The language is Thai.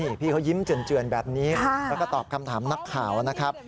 นี่พี่เขายิ้มเจือนแบบนี้แล้วก็ตอบคำถามนักข่าวนะครับ